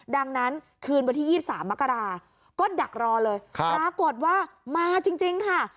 ดังนั้นคืนวันที่ยี่สามมกราก็ดักรอเลยครับปรากฏว่ามาจริงจริงค่ะ